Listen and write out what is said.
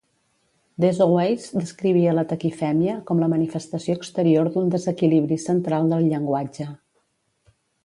Deso Weiss descrivia la taquifèmia com la manifestació exterior d'un desequilibri central del llenguatge.